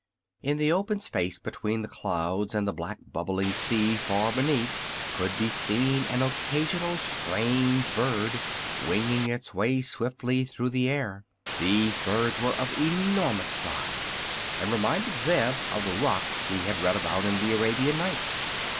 In the open space between the clouds and the black, bubbling sea far beneath, could be seen an occasional strange bird winging its way swiftly through the air. These birds were of enormous size, and reminded Zeb of the rocs he had read about in the Arabian Nights.